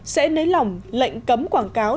sẽ nấy lòng lệnh cấm quảng cáo